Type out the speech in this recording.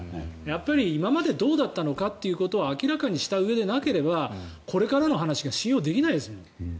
今までどうだったのかということを明らかにしたうえでなければこれからの話が信用できないですもん。